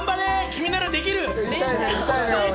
君ならできる。